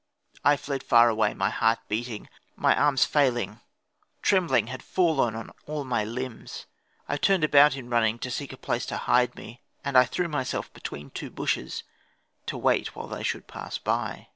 I fled far away, my heart beating, my arms failing, trembling had fallen on all my limbs. I turned about in running to seek a place to hide me, and I threw myself between two bushes, to wait while they should pass by.